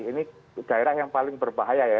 ini daerah yang paling berbahaya ya